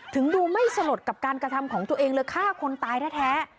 ดูไม่สลดกับการกระทำของตัวเองเลยฆ่าคนตายแท้